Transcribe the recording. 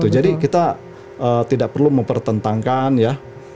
jadi kita tidak perlu mempertentangkan ya